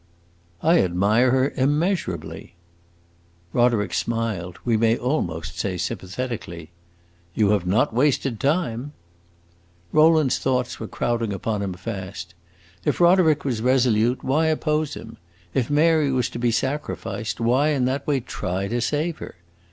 "I admire her immeasurably." Roderick smiled, we may almost say sympathetically. "You have not wasted time." Rowland's thoughts were crowding upon him fast. If Roderick was resolute, why oppose him? If Mary was to be sacrificed, why, in that way, try to save her?